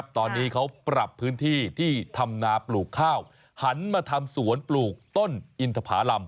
ทำนาปลูกข้าวหันมาทำสวนปลูกต้นอินทภารำ